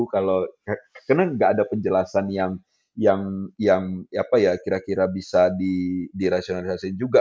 karena nggak ada penjelasan yang kira kira bisa dirasionalisasi juga